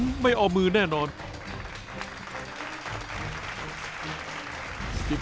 และเขาพิสูจน์ฝีมือให้เห็นแล้ว